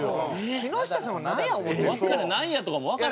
木下さんをなんや思って。